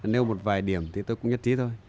nêu một vài điểm thì tôi cũng nhất trí thôi